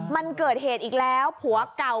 มันเกิดเหตุอีกแล้วผัวเก่า